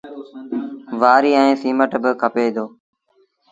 وآريٚ ائيٚݩ سيٚمٽ با کپي دو۔